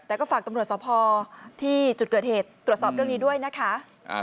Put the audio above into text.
แต่ก็ฝากตำรวจสภที่จุดเกิดเหตุตรวจสอบเรื่องนี้ด้วยนะคะ